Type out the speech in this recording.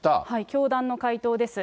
教団の回答です。